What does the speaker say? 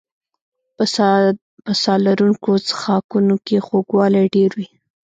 په ساه لرونکو څښاکونو کې خوږوالی ډېر وي.